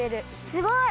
すごい！